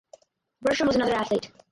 Bertram was another athlete.